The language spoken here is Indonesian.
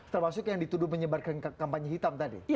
termasuk yang dituduh menyebarkan kampanye hitam tadi